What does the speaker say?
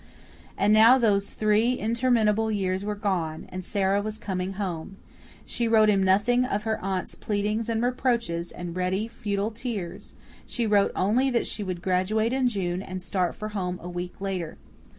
And now those three interminable years were gone, and Sara was coming home. She wrote him nothing of her aunt's pleadings and reproaches and ready, futile tears; she wrote only that she would graduate in June and start for home a week later.